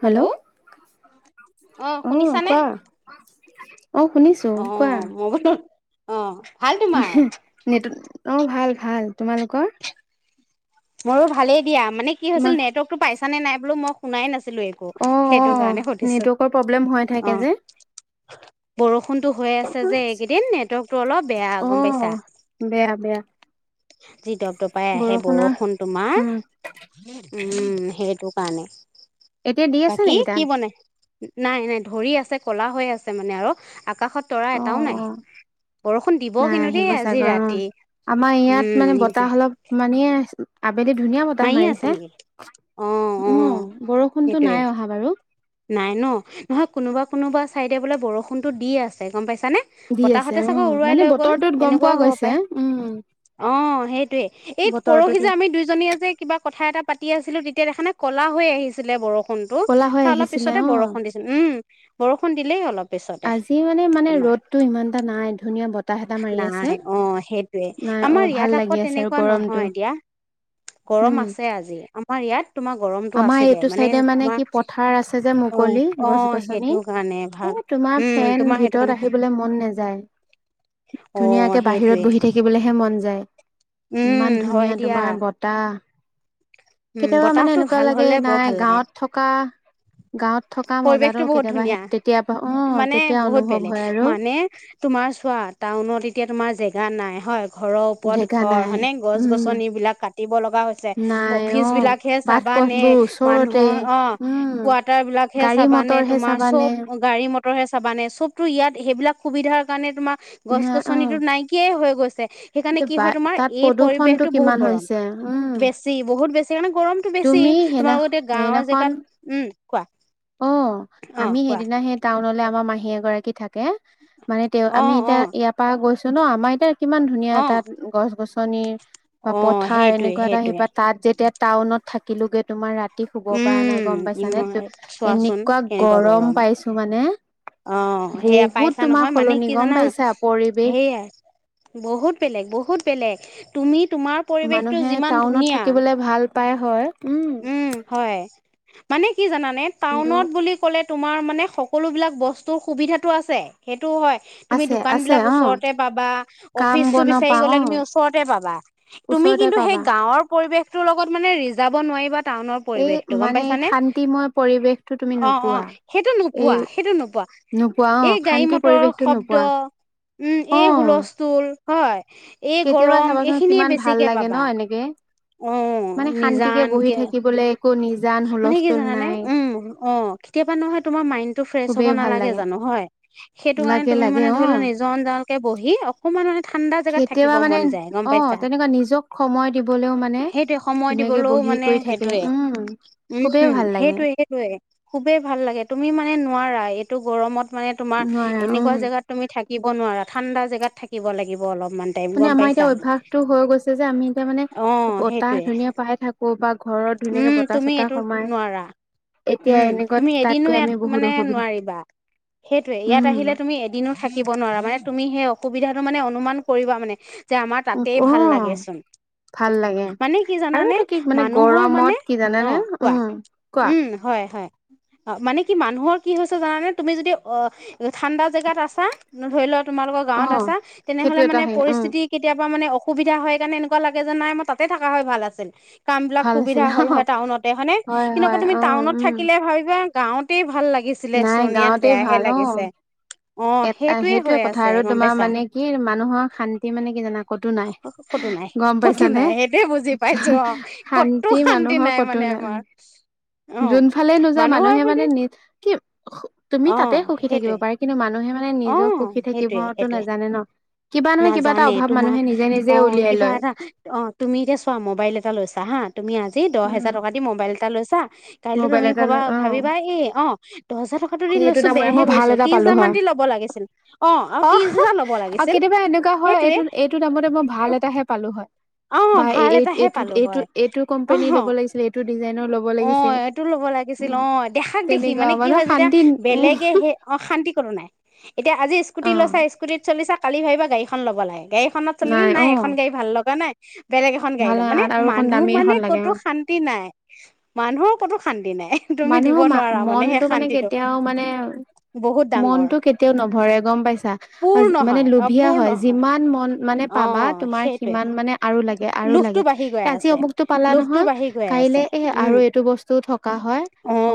Hello অ শুনিছানে! অ শুনিছো কোৱা। অ। ওমহে নেটক অ ভাল ভাল তোমালোক কৰ মোৰো ভালেই দিয়া মানে কি হৈছিল নেটৱৰ্কতটো পাই ছেনে নাই বোলো মই শুনাই না ছিলো একো সেইটো কাৰণে সুধিছো অ বৰ ষুনটো হৈ আছে যে এইকেইদিন নেটৱৰ্কটো অলপ বেয়া গম পাইছা যি দপদপাই আহে বৰষুণ তোমাৰ উম সেইটো কাৰণে বাকী কি বনাই নাই নাই ধৰি আছে ক'লা হৈ আছে মানে আৰু আকাশত তৰা এটাও নাই বৰষুণ দিব কিন্তু দেই আজি ৰাতি য়াত মানে বতাহ অলপ মানে আবেলি ধু ধুনীয়া বতাহ মাৰিছে উ বৰষুনটো নাই অহা বাৰু নাই ন নহয় কোনোবা কোনোবা চাইদে বোলে বৰষুণতো দিয়ে আছে গম পাই ছানে বতাহতে চাগৈ উৰুৱাই লৈ গল এনেকোৱাও হব পাৰে অ সেইটোৱে এই পৰহি যে আমি দুইজনীয়ে যে কিবা কথা এটা পাতি আছিলো তেতিয়া দেখা নাই ক'লা হৈ আহিছিলে বৰ ষুনটো তাপা অলপ পিছতে বৰষুণ দিছিল উম বৰ ষুণ দিলেই অলপ আজি মানে মানে ৰ'দতো ইমান এটা নাই ধুনীয়া বত নাই অ সেইটোৱে আমাৰ ইয়াত আকৌ তেনেকোৱা নহয় এতিয়া গৰম আছে আজি আমাৰ ইয়াত তোমাৰ গৰমটো আছিলে মানে তোমাৰ অ অ সেইটো কাৰণে ভাল তোমাৰ ফেন ভিতৰত আহিবলৈ মন নাযায় ধুনীয়াকে বাহিৰত বহি থাকিবলেহে মন যায় ইমান ধুনীয়া তোমাৰ বতা হ কেতিয়াবা মানে এনেকোৱা লাগে নাই গাঁৱত থকা গাঁৱত থকা মজাতো কেতিয়াবা তেতিয়া মানে বহুত বেলেগ মানে তোমাৰ চোৱা টাউনত এতিয়া তোমাৰ জেগা নাই হয় ঘৰৰ ওপৰত ঘৰ হয়নে গছ গছন বিলাক কাটিব লগা হৈছে অফিচ বিলাকহে চাবানে মানুহৰ অ কোৱাৰ্টাৰ বিলাকহে চাবানে তোমাৰ চব গাড়ী মটৰহে চাবানে চবতো ইয়াত সেইবিলাক সুবিধাৰ কাৰণে তোমাক গছ গছনিতো নাইকিয়াই হক গৈছে সেইকাৰণে কি হয় তোমাৰ এই পৰিৱেশটো বহুত গৰম বেছি বহুত বেছ মানে গৰমটো বেছি তোমালোকৰ এতিয়া গাঁৱৰ জেগাত উ অ আমি সেইদিনা সে টাউনলে আমাৰ মাহি এগৰাকী থাক- কে মানে তেওঁ আমি এতিয়া ইয়াৰ পৰা গৈছো চ ন আমাৰ এতিয়াৰ কিমান ধুনীয়া তাত গছ গছনিৰ বা পথাৰ এনেকুৱা এটা আহি বা তাত যেতিয়া টাউনত থাকিলোগে তোমাৰ ৰাতি শুব পৰা নাই গম পাইছা নে ত এনেকুৱা গৰম পাইছো মানে অ সেয়া পাইছা নহয় মানে কি জানা সেইয়াাই বহুত বেলেগ বহুত বেলেগ তুমিত মানুহে টাউনত থাকিবলে ভাল পাই হয় উম মানে কি জানানে টাউনত বুলি ক'লে তোমাৰ মানে সকলো বিলাক ব- স্তু সুবিধা টো আছে তো হয় তুমি দোকান বিলাক ওচৰতে পাবা অফিচটো বিচাৰি গ'লে তুমি ওচৰতে পাবা তুমি কিন্তু সেই গাঁৱৰ পৰিবেশটোৰ লগত মানে ৰিজাব নোৱাৰিবা টাউনৰ পৰিৱেশতো গম পাইছানে অ অ সেইটো নোপোৱা সেইটো নোপোৱা এই গাড়ী মটৰ শব্দ উম এই হুলস্তূল হয় এই গৰম এইখিনিয়ে বেছিকে পাবা মানে শান্তিকে বহি থাকিবলৈ মানে কি জানানে উম অ কেতিয়াবা নহয় তোমাৰ মাইন টো ফ্ৰেচ জানো হয় সেইটো কাৰণে তুমি মানে ধৰি লোৱা নিজন জানকে বহি অকমান মানে ঠা- কেতিয়াবা মানে অ তেনেকুৱা নিজক সময় দিবলৈও মানে ধুনীয়াকে বহি কৰি থাকে উম উম সেইটোয়ে সেইটোয়ে খুবেই ভাল লাগে তুমি মানে নোৱাৰা এইটো গৰমত মানে তোমাৰ এনেকুৱা জেগাত তুমি থাক থাকিব নোৱাৰা ঠাণ্ডা জেগাত থাকিব লাগিব অলপ মানে আমাৰ এতিয়া অভ্যয়াসতটো হৈ গৈছে যে আমি এতিয়া মানে বতাহ ধুনীয়া পাই থাকো বা ঘৰত উম তুমি এইটো নোৱাৰা উম তুমি এদিনো ইয়াত মানে নোৱাৰিবা সেইটোৱে ইয়াত আহিলে তুমি এদিনো থাকিব নোৱাৰা মানে তুমি সেই অসুবিধাটো মানে অনুমান কৰিবা মানে যে আমাৰ তাতেই ভাল লাগেচোন মানে কি জানানে মানুহৰ মানে কি জানানে উম কোৱা হয় অ মানে কি মানুহৰ কি হৈছে জানানে তুমি যদি অ ঠাণ্ডা জেগাত আছা ধৰি ল তোমালোকৰ গাঁওত আছা তেনেহ'লে মানে পৰিস্থিতি কেতিয়া ম অসুবিধা হয় সেইণে এনেকুৱা লাগে যে নাই মই তাতে থকা হয় ভাল আছিল কাম বিলাক সুবিধা হয় ভল হয় টাউনতে হয়ানে কিন্তুকৌ তুমি টাউনত থাকিলে ভাবিবা গাওঁতেই ভাল লাগে লাগিছিলে চোন ইয়াত বেয়াহে লাগিছে এটা সেইটোয়ে কথা আৰু তোমাৰ মানে কি মানুহৰ শান্তি মানে কি জানা ক'তো নাই গম পাইছানে শান্তি মান মানুহৰ কতো নাই যোন ফালে নোযা মানুহে মানে নিজ কিম তুমি তাতে সুখী থাকিব পাৰা কিন্তু মানুহ অ সেইটয়ে সেইটয়ে নাজানে তোমাৰ অ কিবা এটা অ তুমি এতিয়া চোৱা মবাইল এটা লৈছা হা তুমি আজি দহ হাজাৰ টকা দি মোবাইল এটা লৈছা কাইলৈ তুমি ভবা ভাবিবা এ অ দহ হাজাৰ টকাাতো দি লৈছো বেয়াহে কৈছো ত্ৰিশ হাজাৰ মান দি ল'ব অ কেতিয়াবা এনেকুৱা হয় এইটো এইটো নামতে মই ভাল এটাাহে পালো হয় বা এই এই এইটো এইটো এইটো কোম্পনী ল'ব লাগিছিল এইটো ডিজাইনৰ ল'ব লাগিছিল লব লাগিছিল অ দেখাক দেখি মানে কি হয় যেতিয়া বেলেগে সেই অ শান্তি কৰো নাই এতিয়া আজি সকুটি লছা স্কুটিত চলি কালি ভাবিবা গাড়ীখন ল'বাগে গাড়ীখনত চলিলে নাই এখন গাড়ী ভাল লগা নাই উ বেলেগ এখন গাড়ী লম মানে মানুহ মানে কতো শান্তি নাই মানুহক কতো শান্তি মানুহৰ মা মনটো মানে কেতিয়াও মানে মনটো কেতিয়াও নভৰে গম পাইছা মানে লোভিয়া হয় যিমান মন মানে পাবা তোমাৰ সিমান মানে আৰু লাগে আৰু লাগে এ আজি অমুকতটো পালা নহয় কাইলে এ আৰু এইটো বস্তু থকা হয়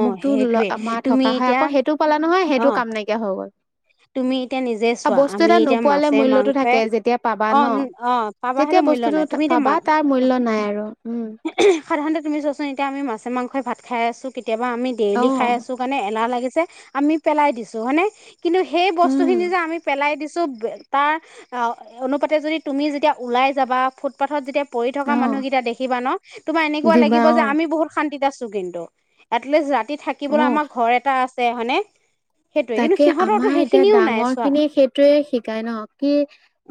অমুকতটো মা থকা হয় আকৌ সেইটো পালা নহয় সেইটো কাম নাইকিয়া হৈ গ'ল তুমি এতিয়া নিজে চোৱা আমি এতিয়া মাছে মাংসই অ অ পাবা সেইটো মূল্য নাই তুমি এতিয়া মা সাধাৰণতে তুমি চোৱাচোন এতিয়া আমি মাছে মাংসই ভাত খাই আছো কি কেতিাবা আমি ডেইলি খাই আছো কাৰণ এহ লাগি আমি পেলাই দিছো হয়ানে কিন্তু সেই বস্তু খিনি যে আমি পেলাই দিম কিু তাৰ অনুপাতে যদি তুমি যেতিয়া ওলাই যাবা ফুটপাথত যেতিয়া পঢ থকা মানুহকেইটা দেখিবা ন তোমাৰ এনেকুৱা লাগিব যে আমি বহুত শান্তিত আো এ ৰা থাকিবলৈ আমাৰ ঘৰ এটা আছে আ হয়নে সেইটোৱে কি আমাৰ এতিয়া ডাঙৰ খিনি সেইটোৱে শিকাই ন কি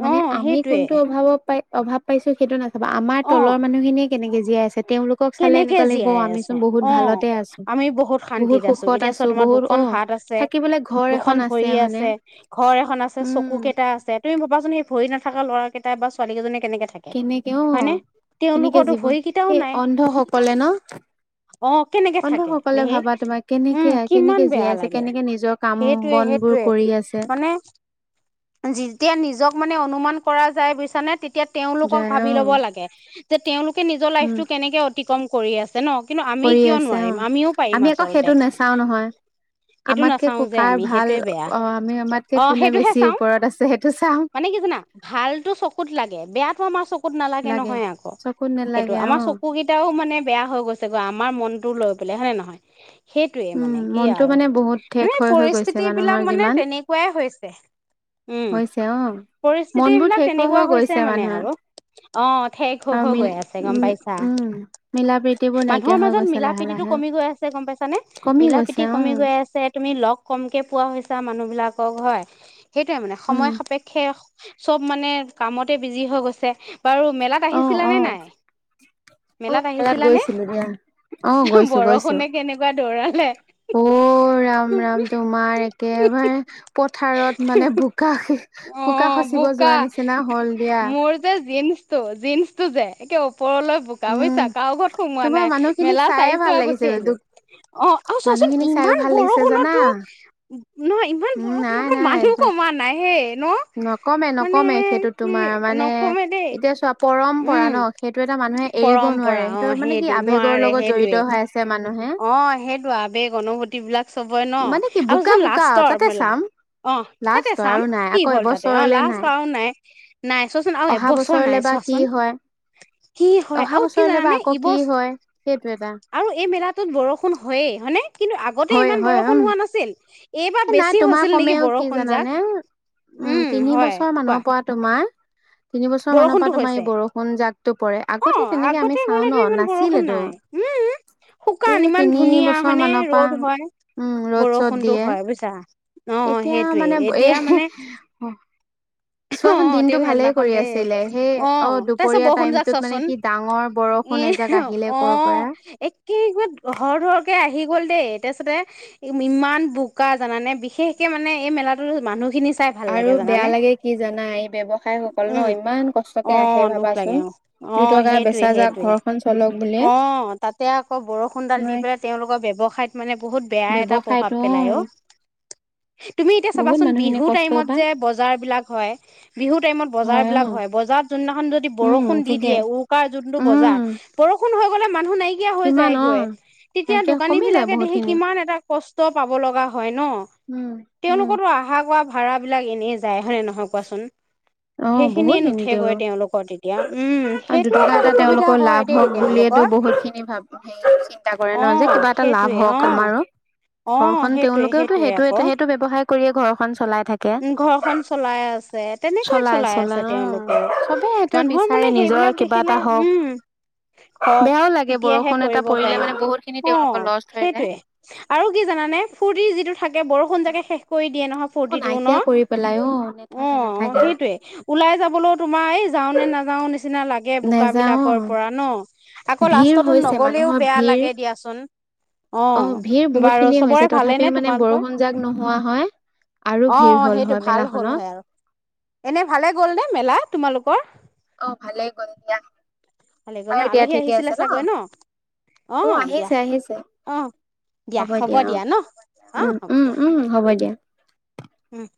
মানে আমি কোনটো অভাৱত অভাৱ পাইছো সেইটো না আমাৰ তলৰ মানুহখিনিক কেনেকে জীয়াই আছে তেওঁলোকক চালে এনেকুৱা লাগিব আমিচোন বহুত ভালতে আছো বহুত সুখত আছো বহুত অ দুখন ভৰি আছে ঘৰ এখন আছে চকু কেইটা আছে তুমি ভবাচোন সেই ভৰি দিনা থকা ল'ৰা কেইটা বা ছোৱালীকেইজনী কেনেকে থাকে হয়নে তেওঁলোকৰো ভৰি কেইটাও নাই অ কেনেকে থাকে দে সি উম কিমান বেয়া লাগে সেইটোৱে সেইটোৱে মানে যেতিয়া নিজক মানে অনুমান পৰা যায় বুজছা নে এতিয়া তেওঁলোকক ভাবি ল'ব লাগে যে তেওঁলোকে নিজৰ লাইফতটো কেনেকে অতিক্ৰম কৰি আছে ন কিন্তু আমি কিয় নোৱাৰিম আমিও পাৰিম আচলতে সেইটো নাচাও যে আমি সেইটোৱে বেয়া অ সেইটোহে চাওঁ মানে কি জানা ভালতো চকুত লাগে বেয়াত মা ত নালাগে নহয় আকৌ সটো আম মানে বেয়া হৈ গৈছে গৈ আমাৰ মনতো লৈ পেলাই হয়নে নহয় সেইটোৱে মানে কি আৰু মানে পৰিস্থিতি বিলাক মানে তেনেকুৱাই হৈছে উম পৰিস্থিতি বিলাক তেনেকুৱা হৈছে মানে আৰু অ ঠেক হৈ হৈ গৈ আছে গম পাইছা মানুহৰ মাজত মিলা প্ৰীতিটো কমি গৈ আছে গম পাইছা মিলাপীতি কমি গৈ আছে তুমি লগ কমকে পোৱাছা মানুহ বিলাকক হয় সেইটোৱে মানে সময় সাপেক্ষে চব মানে কামতে বিজি হৈ গৈছে বাৰু মেলাত আহিছিলানে নাই অ মেলাত গৈছিলো দিয়া আহ গৈছো গৈছো অ ৰাম ৰাম তোমাৰ একেবাৰে পথাৰত মানে বোকা বোকা খচিব যোৱা নিচিনা হল দিয়া জন্ টো জিন্ টো যে একে ওপৰলৈ ক বৈছা কাৰ ঘৰত সোমোৱা নাই মেলা চাইিছো আৰু গুচি আহিছো অ আৰু চোৱাচোন ইমান বৰষুণতো নহয় ইমান বৰষুণতো মানুহো কমা নাই হে নকমে নকমে সেইটো তোমাৰ মানে এতিয়া চব পৰম্পৰা ন সেইটো এটা মানুহে এৰিব নোৱাৰে সেইটো মানে কি আবেগৰ লগত জড়িত হৈ আছে মানুহে মানে কি বোকা বোকা তাতে চাম লাষ্ট আৰু নাই কি হ'ল তাতে অ লাষ্ট আৰুও নাই নাই চোৱাচোন আৰু এবছৰ নাই চোৱাচোন কি হয় আৰু কি জানানে ইব আৰু এই মেলাটোত বৰষুণ হয়ে হয়নে কিন্তু আগ আগতে ইমান বৰষুণ হোৱা নাছিল নাই তোমাৰ কমেও কি জানানে উম তিনি বছৰ মানৰ পৰা তোমাৰ তিন বছৰ মমানৰ পৰা তোমাৰ এই বৰষুণ যাক অ আগতে গলেতো ইমান বৰষুণ নাই উম শুকান ইমান ধুনীয়া হয়নেে ৰ'দ হয় বৰষুণতো হয় বু আছা অ সেইটোয়ে এতিয়া মানে অ তেও সেইদিনাখন দেই অ তাৰপিছত বৰষুণ যাক চচোন এ অ একেবাৰ ঘৰ দৰকে আহি গল দেই তিতাৰ পাছতে ইমান বোকা জানে বিশেষকে মানে এই মেলা মানুহখিনি আৰু বেয়া লাগে কি জানা এই ব্যৱসায় সকল ন ইমান কষ্টকে আহে ভাবাচোন দুটকা বেচা যাক ঘৰখন চল অ তাতে আকৌ বৰষুণডাল দি পেলাই তেওঁলোকৰ ব ব্যৱসায়ত মানে বহুত বেয়া এটা প্ৰভাৱ পেলায় অ তুমি এতিয়া চাবাচোন বিহু টাইমত যে বজাৰ বিলাক হয় বিহু টাইমত বজাৰ বিলাক হয় বজাৰত যোনদিনাখন যদি বৰষুণ দি দিয়ে উৰুকাৰ যোনটো বজাৰ গলে' মানুহ নাইকিয়া হৈ যায়গৈ তেতিয়া দোকানী বিলাকে দেখি কিমান এটা কষ্ট পাব লগা হয়। নহঁ তেওঁলোকৰোটোঁ অহা কৰাৱা ভাল ভাড়াবিলাক এনেই যায় হয়নে নহয় কোৱাচোন। সেইখিনিয়ে নুঠেগৈ তেওঁলোকৰ তেতিয়া উম সেইটো এটা অসুবিধা হয় দেই। বুলিয়েতো বহুত খিনি ভাব হেৰি চিন্তা কৰে নহ যে কিবা এটা লাভ হওক আমাৰো ঘৰখন তেওঁলোকেওঁতো সেইটো এ সেইটো ব্যৱহায় কৰিয়ে ঘৰখন চলাই উম ঘৰখন চলাই আছে তেনেকে চলাই আছে তেওঁলোকেও মানুহৰ মানে সেইবিলাক দেখিলে উম হওক তেতিয়াহে কৰিব পাৰিম অ সেইটোৱে আৰু কি জানানে ফূৰ্তি যিটো থাকে বৰষুণজাকে শেষ কৰি দিয়ে নহয় ন অহ সেইটোয়ে ওলাই যাবলৈও তোমাৰ এই যাওঁ নে নাযাওঁ নিচিনা লাগে। এ, বোকাঁবিলাকৰ পৰা ন আকৌ লাষ্টতো নগলেও বেয়া লাগে দিয়াচোন অ বাৰু চবৰে ভালে নে তোমালোকৰ অ সেইটো ভাল হ'ল হয় আৰু এনে ভালে গ'ল নে মেলা তোমালোকৰ অ ভালেই কৰিলা। বাৰু দিয়া ঠিকে আছে নহ অহ আহি আছে আহি আছে হ'ব দিয়া অহ উম উম উম হ'ব দিয়া। উম-